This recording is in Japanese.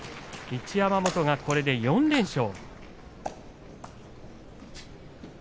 一山本がこれで４連勝。